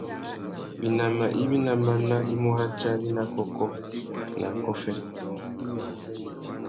Winama iwí ná máná i mú ratiari nà kôkô nà akôffê.